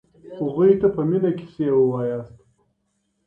هغوی ته په مينه کيسې وواياست.